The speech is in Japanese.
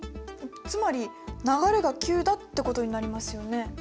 つまり流れが急だってことになりますよね。